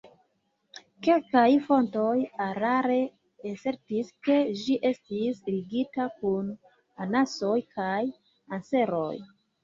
Kelkaj fontoj erare asertis, ke ĝi estis ligita kun anasoj kaj anseroj.